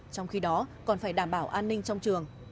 trong khi đó còn phải đảm bảo an ninh trong trường